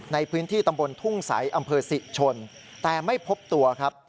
ในพื้นที่ตำบลทุ่งใสอำเภอศรีชนแต่ไม่พบตัวครับ